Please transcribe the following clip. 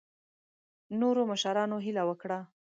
نورو مشرانو هیله وکړه.